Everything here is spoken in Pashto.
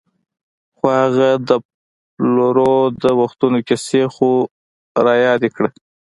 خو هغه د پلرو د وختونو کیسې خو رایادې کړه.